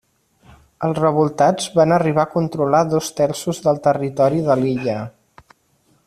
Els revoltats van arribar a controlar dos terços del territori de l'illa.